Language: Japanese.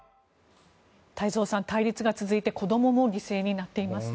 太蔵さん、対立が続いて子どもも犠牲になっていますね。